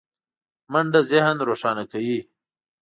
منډه ذهن روښانه کوي